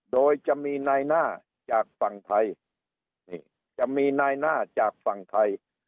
โดยจะมีนายหน้าจากฝั่งไทย